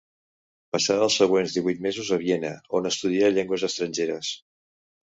Passà els següents divuit mesos a Viena, on estudià llengües estrangeres.